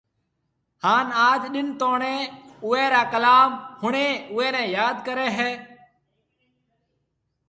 هان اج ڏن توڻي اوئي را ڪلام ۿڻي اوئي ني ياد ڪري هي